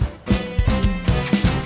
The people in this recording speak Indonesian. ya ini lagi serius